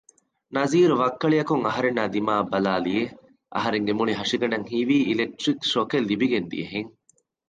ނަޒީރު ވައްކަޅިއަކުން އަހަރެންނާ ދިމާއަށް ބަލައިލިއެވެ އަހަރެންގެ މުޅި ހަށިގަނޑަށް ހީވީ އިލެކްޓްރިކް ޝޮކެއް ލިބިގެން ދިޔަހެން